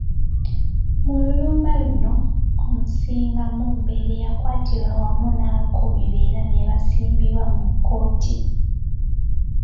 Mu lulumba luno, Omusinga Mumbere, yakwatibwa wamu n'abakuumi be era nebasimbibwa mu kkooti.